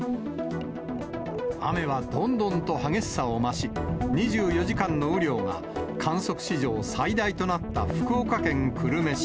雨はどんどんと激しさを増し、２４時間の雨量が、観測史上最大となった福岡県久留米市。